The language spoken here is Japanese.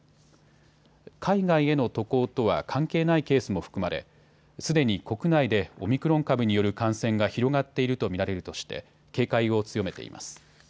海外への渡航とは関係ないケースも含まれ、すでに国内でオミクロン株による感染が広がっていると見られるとして警戒を強めています。